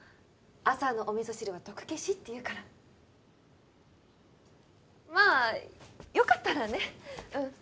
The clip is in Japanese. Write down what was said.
朝のお味噌汁は毒消しっていうからまあよかったらねっうん